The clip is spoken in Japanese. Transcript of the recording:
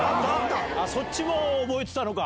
そっちも覚えてたのか。